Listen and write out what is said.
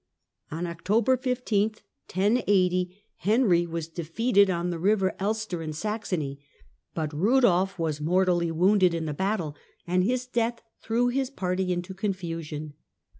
On October 15, 1080, Henry was defeated on the river Elster in Saxony, but Eudolf was mortally wounded in the battle, and his death threw his party into confusion.